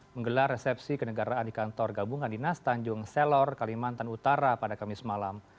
menggelar resepsi kenegaraan di kantor gabungan dinas tanjung selor kalimantan utara pada kamis malam